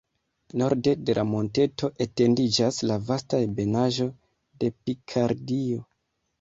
Norde de la monteto etendiĝas la vasta ebenaĵo de Pikardio.